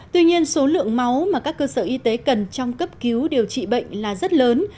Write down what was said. tuy nhiên số lượng máu mà các cơ sở y tế cần trong cấp cứu điều trị bệnh là rất lớn